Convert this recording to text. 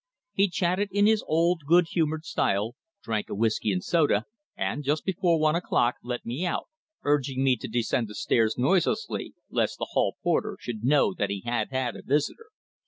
He chatted in his old, good humoured style, drank a whisky and soda, and, just before one o'clock, let me out, urging me to descend the stairs noiselessly lest the hall porter should know that he had had a visitor.